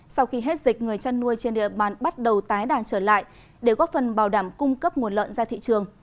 sau khi hết dịch người chăn nuôi trên địa bàn bắt đầu tái đàn trở lại để góp phần bảo đảm cung cấp nguồn lợn ra thị trường